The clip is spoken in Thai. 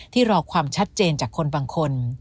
รอความชัดเจนจากคนบางคน